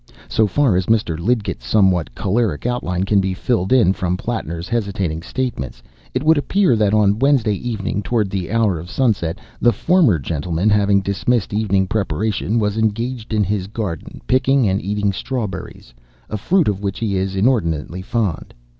So far as Mr. Lidgett's somewhat choleric outline can be filled in from Plattner's hesitating statements, it would appear that on Wednesday evening, towards the hour of sunset, the former gentleman, having dismissed evening preparation, was engaged in his garden, picking and eating strawberries, a fruit of which he is inordinately fond.